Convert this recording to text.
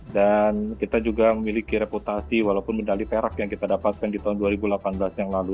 dan kita juga memiliki reputasi walaupun medali perak yang kita dapatkan di tahun dua ribu delapan belas yang lalu